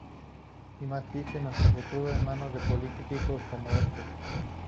Y más triste nuestro futuro en manos de políticos como este.".